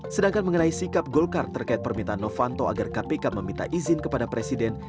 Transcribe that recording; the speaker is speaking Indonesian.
sedangkan mengenai sikap golkar terkait permintaan novanto agar kpk meminta izin kepada presiden